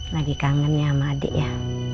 lagi kangen ya sama adik ya